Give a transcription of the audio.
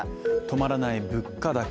止まらない物価高。